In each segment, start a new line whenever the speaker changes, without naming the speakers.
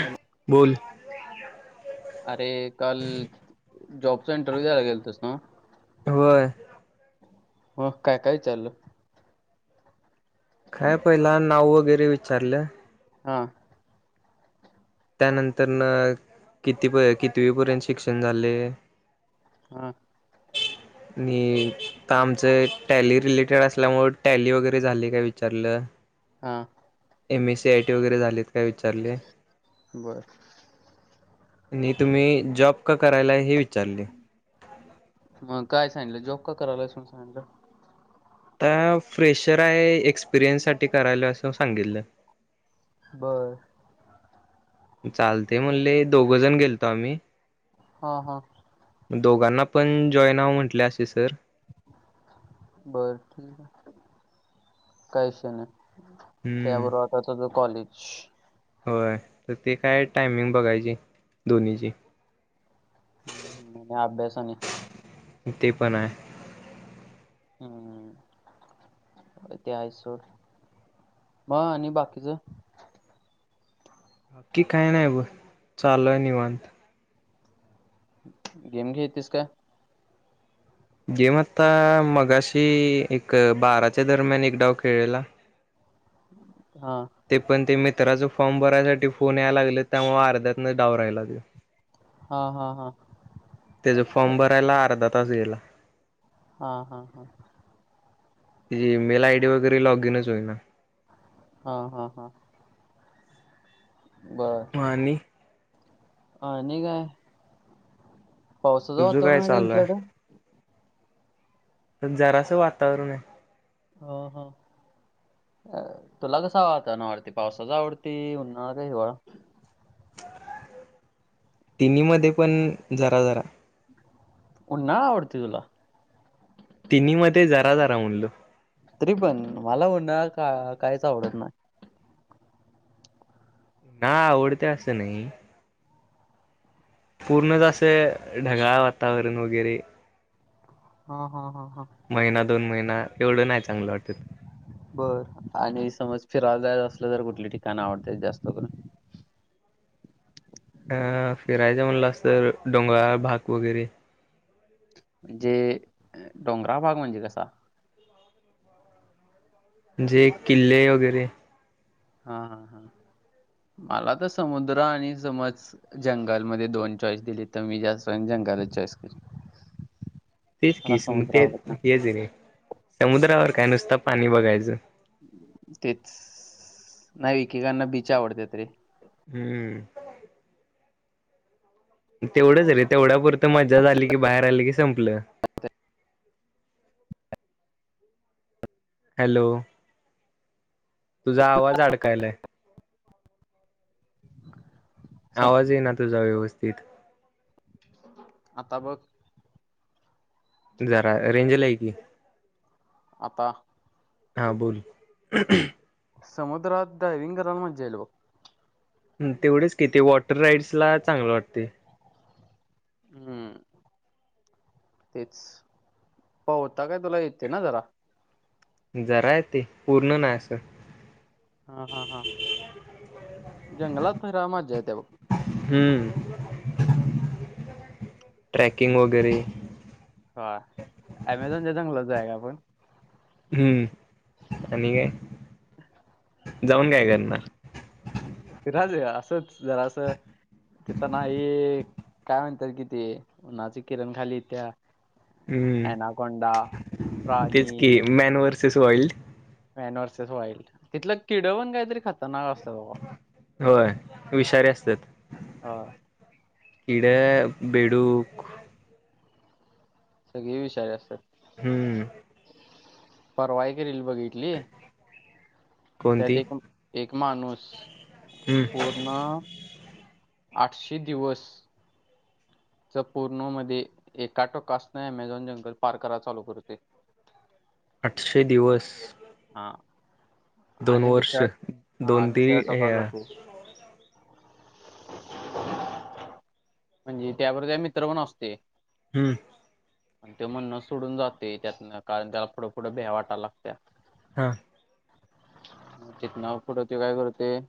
Hello
बोल
अरे काल जॉबचा इंटरव्ह्यू द्यायला गेल तस ना
होय
हो काय काय वीचारल
काय पहिला नाव वगैरे विचारलं
हा
त्यानंतर न किती प कितीवी पर्यंत शिक्षण झाले
हा
आणि का आमचं टॅली रिलेटेड असल्यामु टॅली वगैरे झाली काय विचारलं
हा
M A C I T वगैरे झालेत काय विचारले
बरं
आणि तुम्ही जॉब का करायला आहे हे विचारले
मग काय सांगलं जॉब का करायला असून सांगलं
आता फ्रेशर आहे एक्सपिरियन्स साठी करायला असं सांगितलं
बरं
चालते म्हणले दोघ जण गेलतो आम्ही
हा हा
दोघांना पण जॉईन हवं म्हटले असे सर
बर ठीक आहे कायश नाही
हम्म.
त्याबरोबर आता त जो कॉलेज
होय तर ते काय टायमिंग बघायची दोन्हीची
आणि अभ्यास आनी
ते पण आहे.
हम्म. ते आहेच सोड मग आणि बाकीच?
बाकी काय नाही बग चालूय निवांत.
गेम घेतीस काय?
गेम आता मगाशी एक बाराच्या दरम्यान एक डाव खेळलेला.
हा.
ते पण ते मित्राच फॉर्म भरायसाठी फोन यायला लागले त्यामुळे अर्ध्यातन डाव राहिला त्यो.
हा हा हा.
त्याचा फॉर्म भरायला अर्धा तास गेला.
हा हा हा.
त्याची मेल आय डी वगैरे लॉग इनच होई ना.
हा हा हा. बर
आणि
आणि काय? पावसाचं
तुझं
वातरण
काय
हाय का
चालू
तुमच्याकड?
आहे तर जरासं वातावरण आहे.
हा हा. अ तुला कसा वातावरण आवडतय पावसाचा आवडतय उन्हाळा काय हिवाळा?
तिन्ही मध्ये पण जरा जरा.
उन्हाळा आवडतोय तुला?
तिन्ही मध्ये जरा जरा म्हणलो.
तरी पण मला ऊन्हाळा का काहीच आवडत नाही.
ना आवडते असं नाही पूर्णच असं ढगाळ वातावरण वगैरे
हा हा हा हा.
महिना दोन महिना एवढं नाही चांगलं वाटत
बर आणि समज फिरावला जायच असलं तर कुठली ठिकाण आवडतय जास्त करून?
अ फिरायचं म्हणलास तर डोंगराळ भाग वगैरे
म्हणजे डोंगराळ भाग म्हणजे कसा?
म्हणजे किल्ले वगैरे.
हा हा हा मला तर समुद्र आणि समज जंगलमध्येदोन चॉईस दिली तर मी जास्त जंगलच चॉईस करण
तेच किस ते हेच हे रे समुद्रावर काय नुसत पाणीच बघायचं
तेच नाही एकेकांना बीच आवडतात रे.
हम्म. तेवढंच रे तेवढ्या पुुरंत मजा झाली की बाहेर आली की संपलं. हॅलो तुझा आवाज अडकायलाय.
सम-
आवाज येईना तुझा व्यवस्थित.
आता बग?
जरा रेंजला ये की.
आता?
हा बोल
समुद्रात डायवि्हंग करायला मजा येईल बघ.
तेवढेच कि ते वॉटर राईड्स ला चांगलं वाटते.
हम्म तेच पोहता काय तुला येतेय ना जरा?
जरा येतय पूर्ण नाय असं
हा हा हा जंगलात फिराय मज्जा येते बघ.
हम्म ट्रॅकिंग वगैरे
ह अँमेझॉनच्या जंगलात जाऊया काय आपण?
हम्म आणि काय जाऊन काय करणार?
राजे असंच जरास तिथ नाही..., काय म्हणत्यात कि ती उन्हाची किरण खाली इत्या.
हम्म
ऍनाकोंडा,
तेच
प्राणी
की man versus wild.
Man versus wild, तिथलं किड पण काहीतरी खतरनाक असत्यात बाबा.
होय विषारी असत्यात.
हा.
किडे, बेडूक
सगळी विषारी असत्यात.
हम्म
परवा एक रील बघित तली, त्यात
कोणती
एक -एकमाणूस
हम्म
पो पुन्हा आठशे दिवस. च पूर्णो मध्ये एका टोकासन ॲमेझॉन जंंगल पार कराय चालू करतय.
आठशे दिवस.
हा,
दोन
आणि
वर्ष
दुसऱ्या हा
दोन ती
दुसऱ्या
हे
टोकाला जातय. म्हणजे त्याबर त्या मित्र पण असतोय.
हम्म.
आणि त्यो म्हणणंच सोडून जातोय त्यातनं कारण त्याला पुढपुढ भ्या वाटायला लागत्या.
हां.
तिथन फुढ त्यो काय करतोय.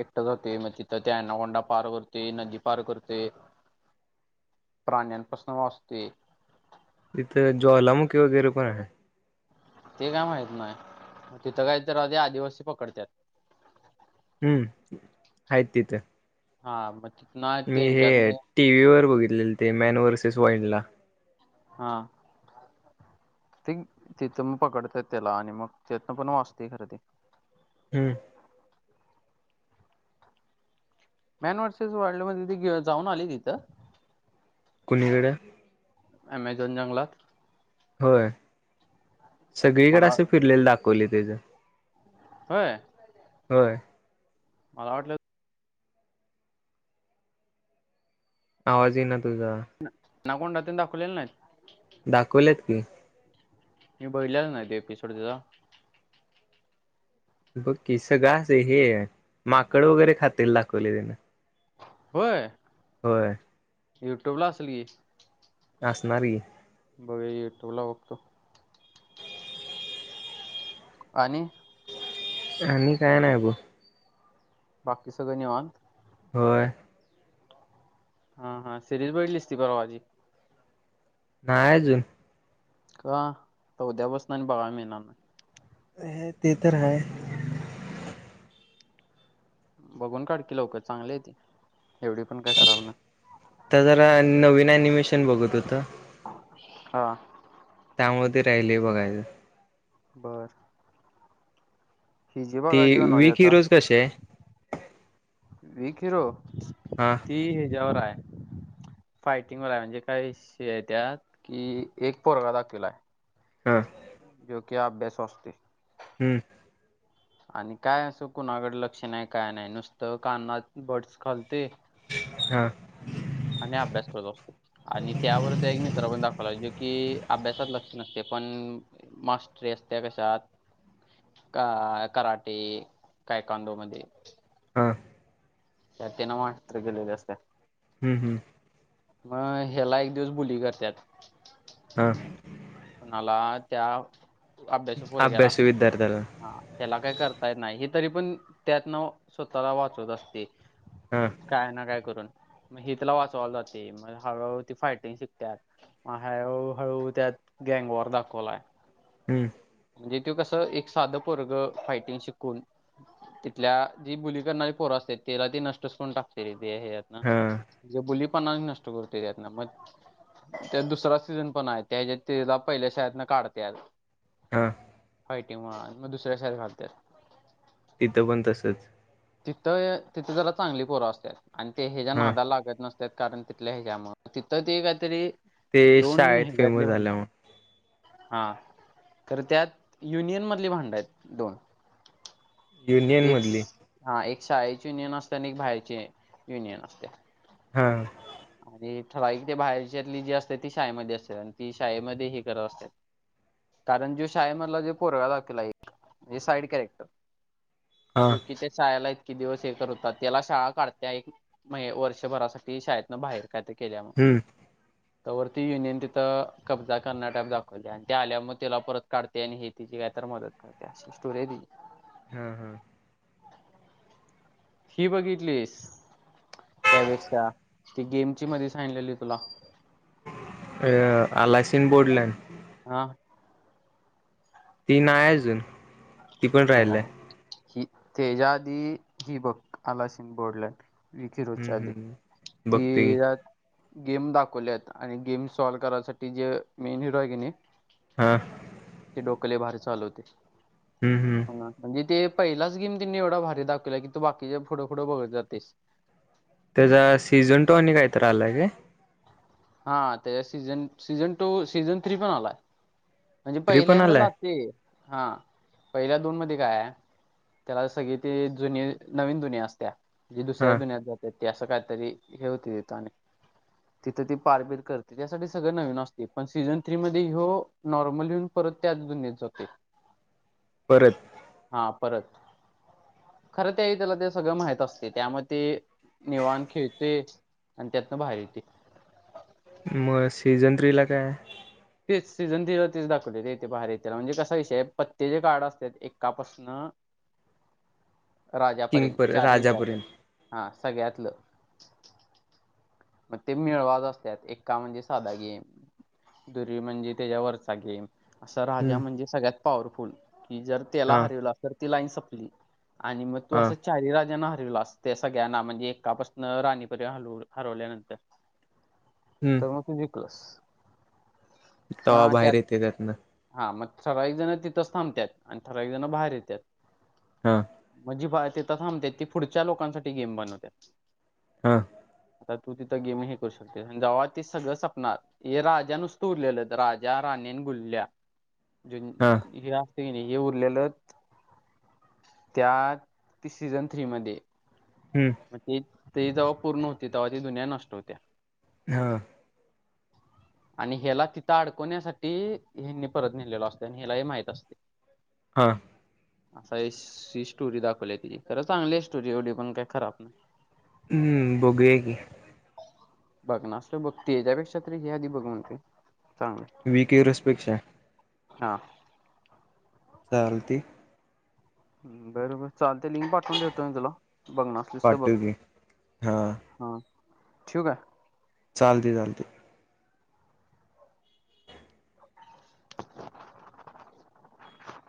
एकटा जातोय, मग तिथं त्या ऍनाकोंडा पार करतोय, नदी पार करतोत. ते प्राण्यांपसन वाचतोय.
तिथं ज्वालामुखी वगैरे पण हाय.
ते काय माहित नाही, तिथं काही तर आधी आदिवासी पकडत्यात.
हम्म हायत तिथं.
हा म ती
मी हे टीव्ही वर बघितलेले ते मॅन व्हर्सेस वाइल्डला.
हा. तेंग-तिथं मग पकडत्याय त्याला आणि मग त्यातनं पण वाचतय खर ते.
हम्म.
मॅन व्हर्सेस वाॅईल्ड मध्ये ती जाऊन आलय तिथं?
कुणीकड?
ॲमेझॉन जंगलात.
होय, सगळीकड
मला
असं फिरलेलं दाखवलय तेज.
होय?
होय.
मला वाटलं
आवाज इना तुझा.
ना ॲनाकोंडा तेन दाखवलेले नाहीत?
दाखवल्यात की.
मी बघितलेला नाही, ते एपिसोड तेचा.
बघ की, सगळं अस हे माकड वगैरे खातेल दाखवलय तेन.
होय?
होय.
यूट्यूबला असल की?
असणार की.
बघूया यूट्यूबला बघतो. आणि?
आणि काय नाही बघ. [inaudible]
बाकी सगळं निवन.
होय.
हा हा सिरीज बघतलीस तती ब आजी.
नाही अजून
का उद्या बसणार आणि बघा मि येळणार नाही.
हे ते तरर आहे.
बघून काडकी लवकर चांगले त एवढी पण काही खराब नाही.
आता जरा नवीन अनिमेशन बघत होतं.
हा.
त्यामध्ये राहिले बघायचं.
बरं. हिजीबा काजीब
ती
नवडी
वीक
आता
हिरोज कसे आहे
वीखिरो.
हा.
ठी आहे जवर आहे. फायटिंगवा म्हणजे काही त्यात कि एक पोरगा दाखूला.
हा
जो कि आप बेसवचते.
हम्म.
आणि काय असं कुणाकडे लक्ष नाही काय नाही नुसतं काना बर्डस खालते.
हा.
आणि अभ्यास करत असतो. आणि त्यावर ते एक मित्र पण दाखवला जो कि अभ्यासात लक्ष नसते पण मास्रस त्या कशात. अ कराटे काय कांदो मध्ये
हा.
चटे न मात गेलेली असते.
हम् हम्.
मग ह्याला एक दिवस बुली करतात.
हा.
कोणाला त्या अभ्यास फोरग्याला
अभ्यासू विद्यार्थ्याला.
हा त्याला काय करतायेत नाही हे तरी पण त्यातनं स्वतःला वाचवत असते.
हा.
काय ना काय करून मग हिथला वाचवाला जाते मग हळूहळू ती फायटिंग शिकतात. हा हळूहळू त्यात गँंगवॉर दाखवलाय.
हम्म.
म्हणजे ते कसं एक साधं प वर्ग फायटिंग शिकून तिथल्या जी बुली करणारी पोरं असते त्याला ते नष्टच कोण टा. ना
हा
म्हणे बुलीपणा नष्ट करतो. मग त्या दुसरा सीझन पण आहे त्याच्या तेला पहिल्या शाळेतन काढते.
हा.
हय टी म मग दुसऱ्या साईड घालते.
तिथं पण तसच.
तिथं तिथे जला चांगली पोरं असतात आणि ते ह्या ज्या
हा
नादाला लागत नसत. कारण तिथल्या ह्याज्यामु तिथं ते काहीतरी
ते
दोन
शाळेत फेमस
हज्यातले
झाल्यामुळे
म्हणार. हा तर त्यात युनियन मधली भांड आहेत दोन
युनियन
एक
मधली
हा एक शाळेचे युनियन असते आणि एक बाहेचे युनियन असते.
हा.
आणि ठवाई ते बाहेरच्यातली जी असते ती शाळेमध्ये असते आणि ती शाळेमध्ये ह करत असते. कारण जे शाळे मला जे पोर लागेल एक साईड कॅरेक्टर.
हा
जो कि ते शहायला. िती दिवस हे करतात त्याला शाळा काढत्या एक म्ह वर्षभरासाठी शाळेतन बाहेर काय केल्या
हम्म
[unintelligible] त्या वती युनियन तिथं कब्जा करण्या टाप दाखवले आणि त्या आल्या मग त्याला परत काढते आणि हे तिची काय तर मदत त्या स्टोर
हा हा
ही बघितलीस त्यापेक्षा ती गेमची मध्ये सांगलेली तुला
अ आलासीन बोर्डल
हा
तीन अजून ती पण
ह
राहिलय
ह तेजादी ही बघ आला सिंग बोडले विखीर
हम्म
होच्या आधी
हम्म
ती
बघते की
गेम दाखवलेत आणि गेम सॉल्व करायसाठी जे मेन हिरो आहे की नाही
हा
ती डोक लय बभारी चालवते.
हम्, हम
म्हणजे ते पहिलाच गेम त्यांिनी एवढा भारी दाखवला की तू बाकीच्या फुढं फुढं बघत जातेय.
त्याचा सीझन टु आणि कायतरआलाय काय
हा त्याच्या season season two season three पण आलाय म्हणजे
थ्री पण
पहिल्यांदा
आलाय
जाते हा पहिल्या दोन मध्ये काय आहे. त्याला सगळी त जुन नवीन जुन्या असत्या जे दुसऱ्या
हा
दुन्यात जातात ते असं काहीतरी हे होते तथं अक तिथं ती पारबीर करते त्यासाठी सगळं नवीन असते पण सीझन थ्री मध्ये हो नॉर्मलन परत त्याच गुन्यात जतेे
परत
हा परत खरं त्यावेळी त्याला ते सगळं माहत असतय,, त्यामुळ ते निवात खेळतय आणि त्यातनं बाहेर येतय
मग सीझन थ्री ला कायय
तेच, सीझन थ्री लं तेच दाखवतय,, तेथे बाहेर येथला म्हणजे कसा विषय,, पत्ते च काड असतात, एकापासन
किंग
राजापर्ेल,
पर
चारी हजातलं,,
राजापर्यंत
हा, सगळ्यातलं. म ग ते मिळवाच असल्यात, एका म्हणजे साधा गेम दुरी म्हणजे त्याच्यावरचा गेम असा राजा
हम्म
म्हणजे सगळ्यात पॉवरफुल,, कि जर त्याला
हा
हरवलं, तर ती लाईन संपली. आणि मग तू
हा
असं चाारी राजांना हरवलास,, ते सगळ्यांना म्हणजे एकापासन राणीपर्यत,, हरव हरवल्यानंतर का
हम्म
मग तु जिकलास,, म त्यात
तेात नं, [unintelligible]
हा, मग ठरावीक जण तिथंच थांबतात,, आणि ठराविक जण बाहेर येतात.
हा
म्हणजी तेथ थांबतेत, ती पुढच्या लोकांसाठी गेम बनवतात.
हा
आता तू तिथं गेम हे करू शकतेस, जव्हा ते सगळं सपणार हे राजा नुस्त उरलेल,, राजा, राणी न गुल्ल्या जि [unintelligible]
हा
हे असतय की नाही,, हे उरलेलं,, त्या ते सीझन थ्री मध्ये
हम्म
मग ते, ते जवा पूर्ण होते तवा ती दुनिया नष्ट होत्या.
हा.
आणि हे ला तिथं अडकवण्यासाठी, हयनी परत नेलेला असतय, आणि हयालाही माहित असतय.
हा
असा ए ही स्टोरी दाखवलीय ती, खरं चांगली ये स्टोरी, एवढी पण काय खराब नाय.
हम्म, बघुया की,
लग्नअष्टके बघते याच्यापेक्षा तरी हे आधी बघुन घेतंय चांगलंय.
विकेअरसपेक्षा,
हा.
चालते.
हम्म बरोबर. चालतय लिंक पाठवून देतो मी तुला, बघणार असलीस त बघ,
पाठव की हा
हं ठेवू काय?
चालतय, चालतय.
[inaudible]